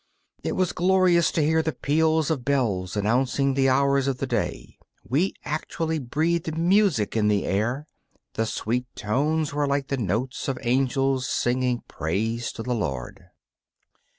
It was glorious to hear the peals of bells announcing the hours of the day: we actually breathed music in the air the sweet tones were like the notes of angels singing praise to the Lord.